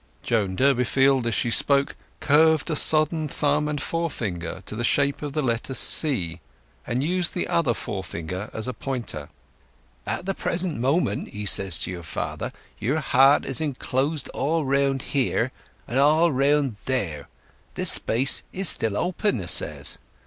Joan Durbeyfield, as she spoke, curved a sodden thumb and forefinger to the shape of the letter C, and used the other forefinger as a pointer. "'At the present moment,' he says to your father, 'your heart is enclosed all round there, and all round there; this space is still open,' 'a says.